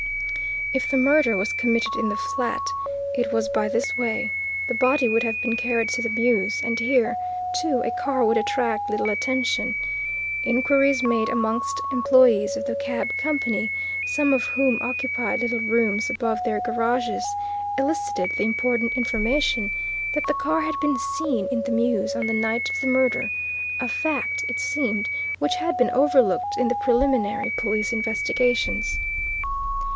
If the murder was committed in the flat, it was by this way the body would have been carried to the mews, and here, too, a car would attract little attention. Inquiries made amongst employees of the cab company, some of whom occupied little rooms above their garages, elicited the important information that the car had been seen in the mews on the night of the murder a fact, it seemed, which had been overlooked in the preliminary police investigations.